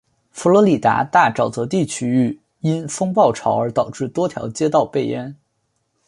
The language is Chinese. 佛罗里达大沼泽地区域因风暴潮而导致多条街道被淹。